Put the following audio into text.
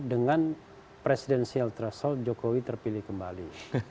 dengan presidensial threshold jokowi terpilih kembali